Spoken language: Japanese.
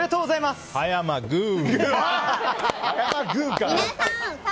葉山グー。